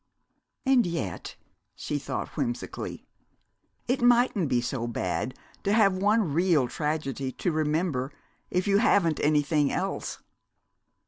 "And yet," she thought whimsically, "it mightn't be so bad to have one real tragedy to remember, if you haven't anything else!